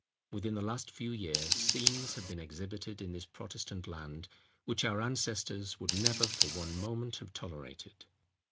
Within the last few years scenes have been exhibited in this Protestant land, which our ancestors would never for one moment have tolerated.